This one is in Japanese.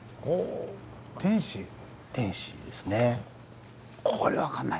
天使ですね。